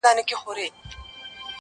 o ته خوږمن او زه خواخوږی خدای پیدا کړم,